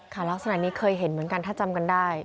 คราวทรัพย์นี้เคยเห็นเหมือนกันถ้าจำกันได้